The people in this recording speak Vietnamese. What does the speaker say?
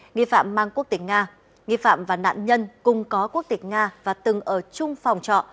nghi phạm mang quốc tịch nga nghi phạm và nạn nhân cùng có quốc tịch nga và từng ở chung phòng trọ